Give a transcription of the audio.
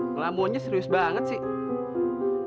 ngelamunya serius banget sih